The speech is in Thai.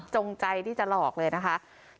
จงใจที่จะหลอกเลยนะคะ